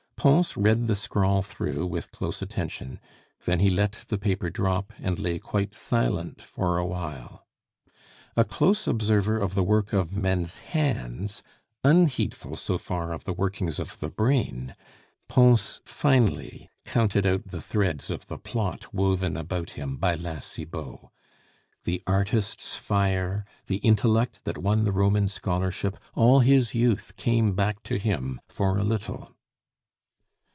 Pons read the scrawl through with close attention, then he let the paper drop and lay quite silent for a while. A close observer of the work of men's hands, unheedful so far of the workings of the brain, Pons finally counted out the threads of the plot woven about him by La Cibot. The artist's fire, the intellect that won the Roman scholarship all his youth came back to him for a little.